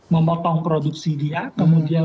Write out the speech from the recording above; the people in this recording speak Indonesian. memotong produksi dia kemudian